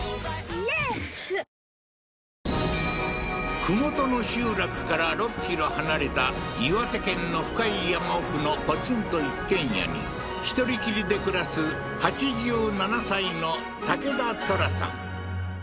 痛っ麓の集落から６ｋｍ離れた岩手県の深い山奥のポツンと一軒家に１人きりで暮らすはははっ